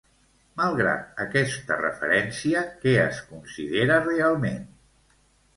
Malgrat aquesta referència, què es considera realment?